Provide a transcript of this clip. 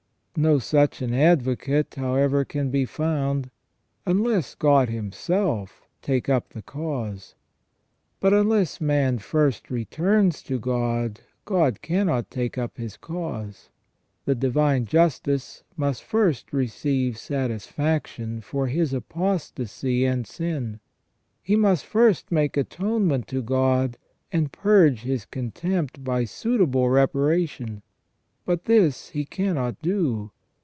No such an advocate, however, can be found, unless God Himself take up the cause. But unless man first returns to God, God cannot take up his cause. The Divine Justice must first receive satisfaction for his apostasy and sin. He must first make atonement to God, and purge his contempt by suitable reparation. But this he cannot do.